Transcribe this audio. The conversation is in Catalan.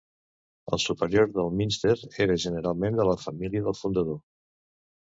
El superior del minster era generalment de la família del fundador.